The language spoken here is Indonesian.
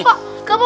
pak pak pak